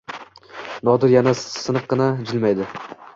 Nodir yana siniqqina jilmaydi.